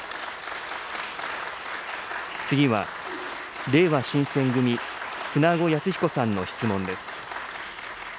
次はれいわ新選組、舩後靖彦さんの質問です。